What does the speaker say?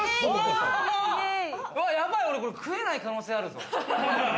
やばい、俺、食えない可能性あるぞ。